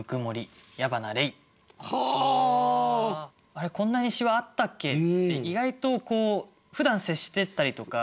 「あれこんなにしわあったっけ？」って意外とふだん接してたりとか